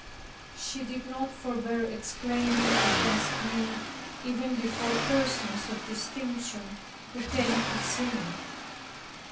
She did not forbear exclaiming against me, even before persons of distinction, who came to see me.